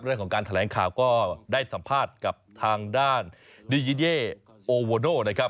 เรื่องของการแถลงข่าวก็ได้สัมภาษณ์กับทางด้านดียิเย่โอโวโน่นะครับ